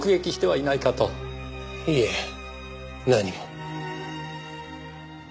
いいえ何も。